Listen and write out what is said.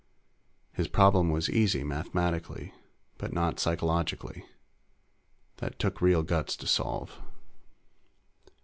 "His problem was easy, mathematically. But not psychologically. That took real guts to solve."